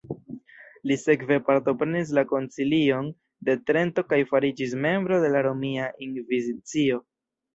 Li sekve partoprenis la koncilion de Trento kaj fariĝis membro de la Romia Inkvizicio.